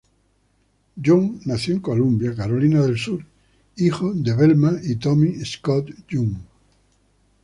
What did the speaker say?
Young nació en Columbia, Carolina del Sur, hijo de Velma y Tommy Scott Young.